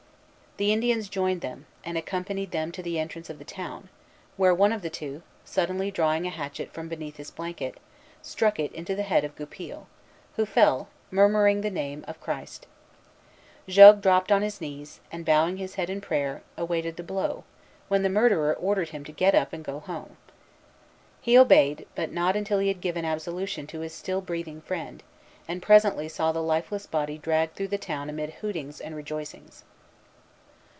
The Indians joined them, and accompanied them to the entrance of the town, where one of the two, suddenly drawing a hatchet from beneath his blanket, struck it into the head of Goupil, who fell, murmuring the name of Christ. Jogues dropped on his knees, and, bowing his head in prayer, awaited the blow, when the murderer ordered him to get up and go home. He obeyed but not until he had given absolution to his still breathing friend, and presently saw the lifeless body dragged through the town amid hootings and rejoicings.